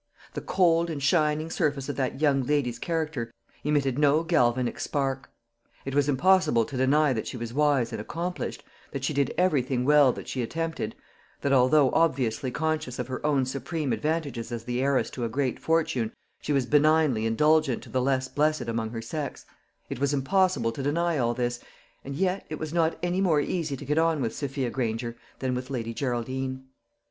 The cold and shining surface of that young lady's character emitted no galvanic spark. It was impossible to deny that she was wise and accomplished; that she did everything well that she attempted; that, although obviously conscious of her own supreme advantages as the heiress to a great fortune, she was benignly indulgent to the less blessed among her sex, it was impossible to deny all this; and yet it was not any more easy to get on with Sophia Granger than with Lady Geraldine.